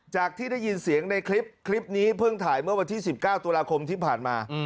ที่ได้ยินเสียงในคลิปคลิปนี้เพิ่งถ่ายเมื่อวันที่๑๙ตุลาคมที่ผ่านมา